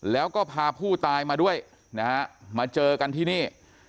แล้วก็พาผู้ตายมาด้วยนะฮะมาเจอกันที่นี่